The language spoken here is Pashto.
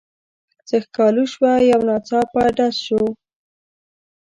څه ښکالو شوه یو ناڅاپه ډز شو.